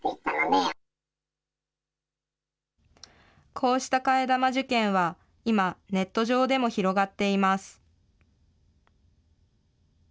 こうした替え玉受検は今、ネット上でも広がっています。